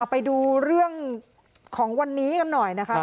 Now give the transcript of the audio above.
ไปดูเรื่องของวันนี้กันหน่อยนะคะ